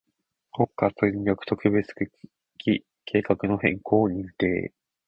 国家戦略特別区域計画の変更を認定